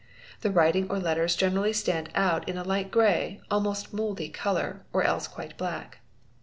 The writing or letters generally stand out in a light grey—almost mouldy colour—or else quite black.